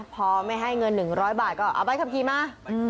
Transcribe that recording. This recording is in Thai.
พอไม่ให้เงินหนึ่งร้อยบาทก็เอาไปครับทีมา